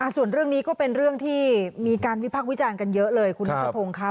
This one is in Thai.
ส่วนเรื่องนี้ก็เป็นเรื่องที่มีการวิพักษ์วิจารณ์กันเยอะเลยคุณนัทพงศ์ค่ะ